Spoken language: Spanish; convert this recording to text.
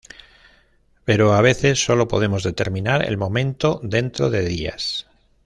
Pero a veces solo podemos determinar el momento dentro de días".